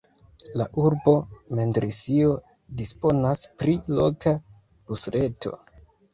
La urbo Mendrisio disponas pri loka busreto.